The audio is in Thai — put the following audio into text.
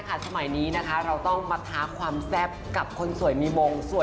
สมัยนี้นะคะเราต้องมาท้าความแซ่บกับคนสวยมีมงสวย